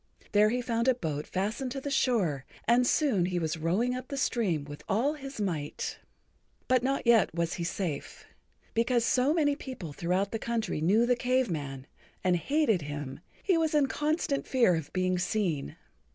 There he found a boat fastened to the shore, and soon he was rowing up the stream with all his might. But not yet was he safe. Because so many people throughout the country[Pg 65] knew the Cave Man and hated him, he was in constant fear of being seen.